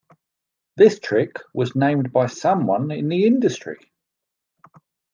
This trick was named by someone in the industry.